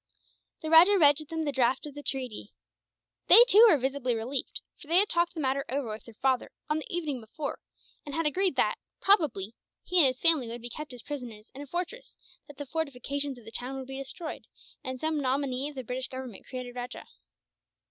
The rajah read to them the draft of the treaty. They too were visibly relieved; for they had talked the matter over with their father, on the evening before, and had agreed that, probably, he and his family would be kept as prisoners in a fortress, that the fortifications of the town would be destroyed, and some nominee of the British Government created rajah.